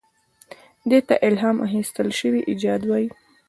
دې ته الهام اخیستل شوی ایجاد وایي.